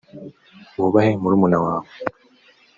wubahe murumuna wawe .